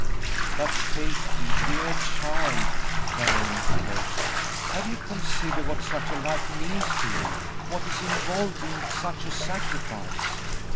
"But, Kathie, dear child," Darrell interposed, "have you considered what such a life means to you what is involved in such a sacrifice?"